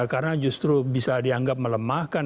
karena justru bisa dianggap melemahkan